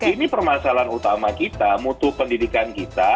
ini permasalahan utama kita mutu pendidikan kita